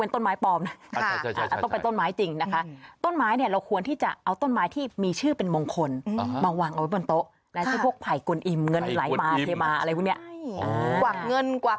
ต้นไม้เอาเป็นต้นมะม่วงเลยไหมคะ